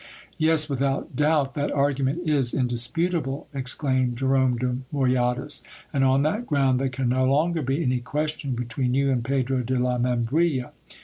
Yes, without doubt, that argument is indisputable, exclaimed Jerome de Moy adas ; and on that ground there can no longer be any question between you and Pedro de la Membrilla.